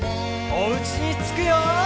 おうちにつくよ！